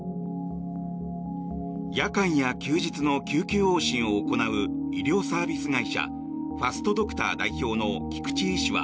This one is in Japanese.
夜間や休日の救急往診を行う医療サービス会社ファストドクター代表の菊池医師は